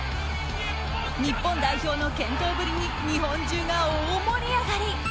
日本代表の健闘ぶりに日本中が大盛り上がり！